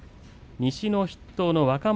西の筆頭の若元